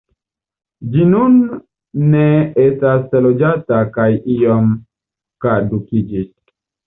Ĝi nun ne estas loĝata kaj iom kadukiĝis.